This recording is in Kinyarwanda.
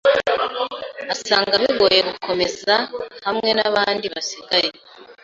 Asanga bigoye gukomeza hamwe nabandi basigaye.